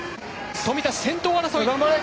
富田、先頭争い！